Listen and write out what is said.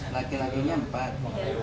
laki lakinya empat empat rumah